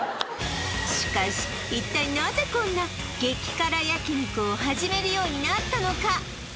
しかし一体なぜこんな激辛焼肉を始めるようになったのか？